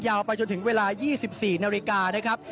ไปจนถึงเวลา๒๔นาฬิกานะครับ